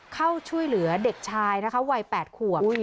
เข้าช่วยเหลือเด็กชายนะคะวัย๘ขวบ